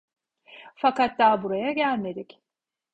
Fakat daha buraya gelmedik.